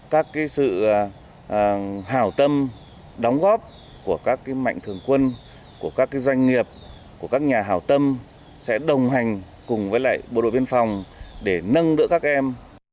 các sự hào tâm đóng góp của các mạnh thường quân của các doanh nghiệp của các nhà hào tâm sẽ đồng hành cùng với lại bộ đội biên phòng để nâng đỡ các em